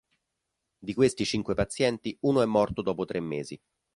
Di questi cinque pazienti uno è morto dopo tre mesi.